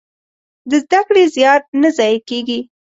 د زده کړې زيار نه ضايع کېږي.